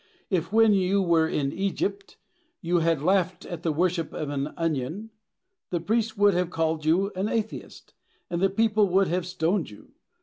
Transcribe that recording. If, when you were in Egypt, you had laughed at the worship of an onion, the priests would have called you an atheist, and the people would have stoned you.